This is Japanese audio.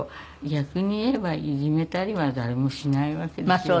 逆にいえばいじめたりは誰もしないわけですよ。